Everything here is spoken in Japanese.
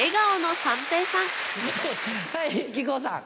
はい木久扇さん。